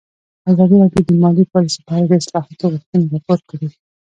ازادي راډیو د مالي پالیسي په اړه د اصلاحاتو غوښتنې راپور کړې.